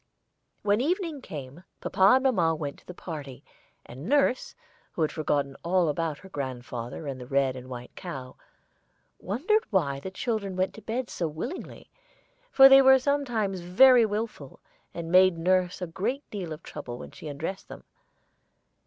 When evening came papa and mamma went to the party, and nurse, who had forgotten all about her grandfather and the red and white cow, wondered why the children went to bed so willingly, for they were sometimes very willful, and made nurse a great deal of trouble when she undressed them.